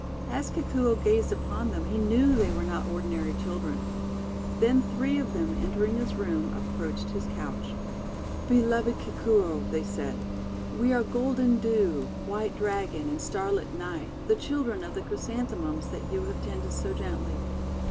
As Kikuo gazed upon them, he knew they were not ordinary children. Then three of them, entering his room, approached his couch. " Beloved Kikuo," they said, :<we are Golden Dew, White Dragon, and Starlit Night, the children of the Chrysanthemums that you have tended so gently.